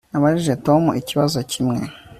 Nabajije Tom ikibazo kimwe